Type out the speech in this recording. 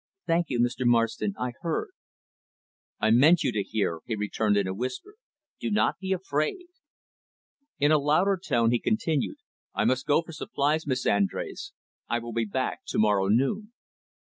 "Thank you, Mr. Marston. I heard." "I meant you to hear," he returned in a whisper. "Do not be afraid." In a louder tone he continued. "I must go for supplies, Miss Andrés. I will be back to morrow noon."